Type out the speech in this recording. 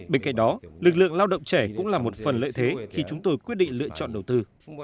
bên cạnh đó lực lượng lao động trẻ cũng là một phần lợi thế khi chúng tôi quyết định lựa chọn đầu tư